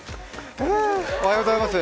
おはようございます。